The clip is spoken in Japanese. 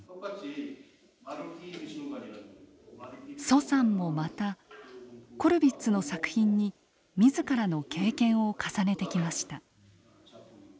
徐さんもまたコルヴィッツの作品に自らの経験を重ねてきました。